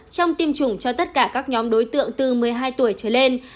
trong tiêm chủng cho tất cả các nhóm đối tượng từ một mươi hai tuổi trở lên